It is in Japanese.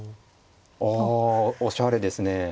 ああおしゃれですね。